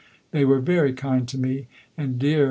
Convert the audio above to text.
They were very kind to me and dear M.